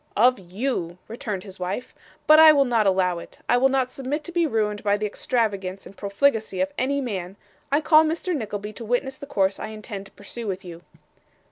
'Of you,' returned his wife. 'But I will not allow it. I will not submit to be ruined by the extravagance and profligacy of any man. I call Mr Nickleby to witness the course I intend to pursue with you.